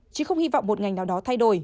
chứ không hy vọng một ngành nào đó thay đổi